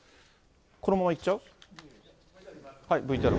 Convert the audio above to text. このままいっちゃう？